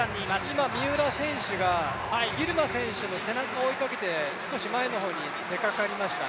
今、三浦選手がギルマ選手の背中を追いかけて、少し前の方に出かかりましたね。